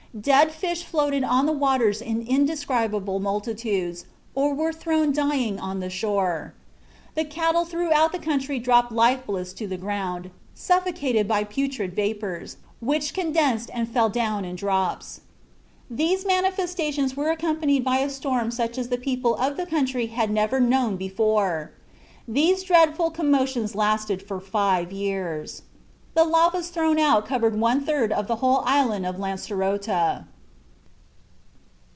Dead fish floated on the waters in indescribable multitudes, or were thrown dying on the shore; the cattle throughout the country dropped lifeless to the ground, suffocated by putrid vapors, which condensed and fell down in drops. These manifestations were accompanied by a storm such as the people of the country had never known before. These dreadful commotions lasted for five years. The lavas thrown out covered one third of the whole island of Lancerota.